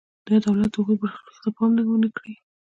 یا دولت د هغوی برخلیک ته پام ونکړي.